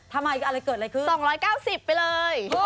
อะไรเกิดอะไรขึ้น๒๙๐ไปเลย